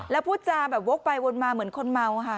แล้วพูดจาแบบวกไปวนมาเหมือนคนเมาค่ะ